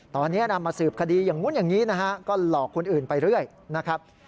ตอนนี้นำมาสืบคดีอย่างนู้นอย่างนี้นะฮะก็หลอกคนอื่นไปเรื่อยนะครับ